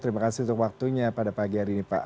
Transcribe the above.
terima kasih untuk waktunya pada pagi hari ini pak